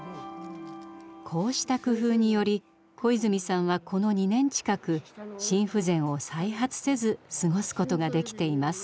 こうした工夫により小泉さんはこの２年近く心不全を再発せず過ごすことができています。